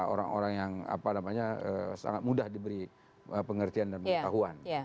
orang orang yang sangat mudah diberi pengertian dan pengetahuan